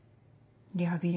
リハビリ